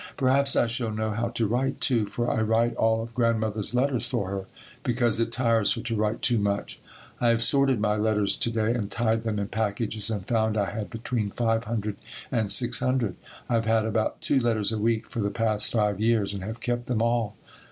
Perhaps I shall know how to write, too, for I write all of Grandmother's letters for her, because it tires her to write too much. I have sorted my letters to day and tied them in packages and found I had between 500 and 600. I have had about two letters a week for the past five years and have kept them all.